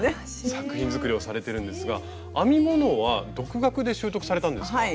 作品作りをされてるんですが編み物は独学で習得されたんですか？